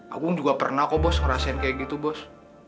aku juga pernah kok bos ngerasain kayak gitu bos